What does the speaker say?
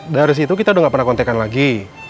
dari situ kita udah gak pernah contact an lagi